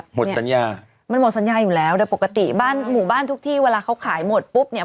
หมดสัญญามันหมดสัญญาอยู่แล้วโดยปกติบ้านหมู่บ้านทุกที่เวลาเขาขายหมดปุ๊บเนี่ย